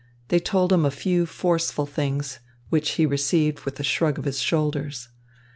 They told him a few forceful things, which he received with a shrug of his shoulders.